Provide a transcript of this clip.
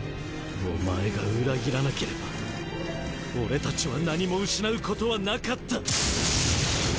お前が裏切らなければ俺たちは何も失うことはなかった。